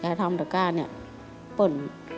ยายทำตะก้าเนี่ย